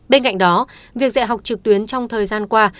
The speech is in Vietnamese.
bên cạnh đó việc dạy học trực tuyến trong thời gian qua